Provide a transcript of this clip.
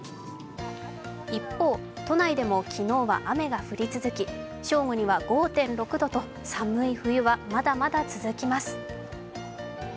一方、都内でも昨日は雨が降り続き正午には５．６度と寒い冬はまだまだ続きます。